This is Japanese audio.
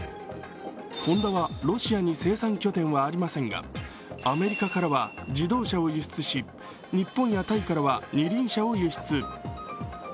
ホンダはロシアに生産拠点はありませんが、アメリカからは自動車を輸出し、日本やタイからは二輪車を輸出。